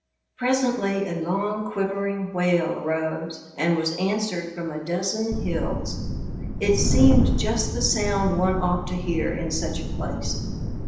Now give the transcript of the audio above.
Presently a long, quivering wail arose and was answered from a dozen hills. It seemed just the sound one ought to hear in such a place.